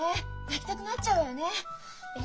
泣きたくなっちゃうわよねえ。